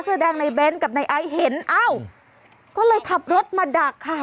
เสื้อแดงในเบ้นกับนายไอซ์เห็นอ้าวก็เลยขับรถมาดักค่ะ